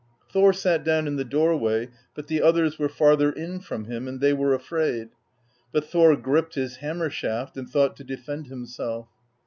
Thor sat down in the doorway, but the others were farther in from him, and they were afraid; but Thor gripped his hammer shaft and thought to defend himself.